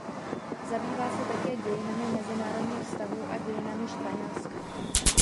Zabývá se také dějinami mezinárodních vztahů a dějinami Španělska.